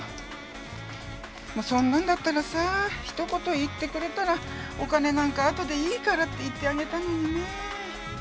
もうそんなんだったらさひと言言ってくれたらお金なんかあとでいいからって言ってあげたのにね。